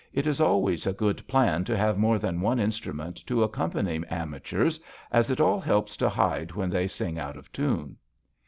It is always a good plan to have more than one in strument to accompany amateurs, as it all helps to hide when they sing out of tune."